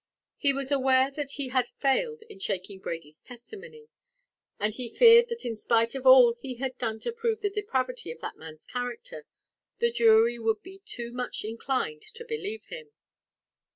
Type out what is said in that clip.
He was aware that he had failed in shaking Brady's testimony, and he feared that in spite of all he had done to prove the depravity of that man's character, the jury would be too much inclined to believe him.